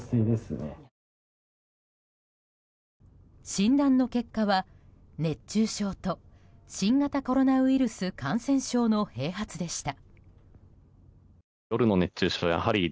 診断の結果は熱中症と新型コロナウイルス感染症の併発でした。